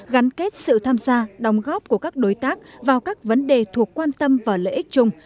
gắn kết sự tham gia đóng góp của các đối tác vào các vấn đề thuộc quan tâm và lợi ích chung